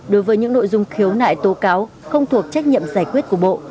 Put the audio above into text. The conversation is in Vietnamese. đối với những nội dung khiếu nại tố cáo không thuộc trách nhiệm giải quyết của bộ